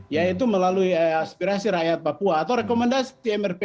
yaitu melalui aspirasi rakyat papua atau rekomendasi tmrp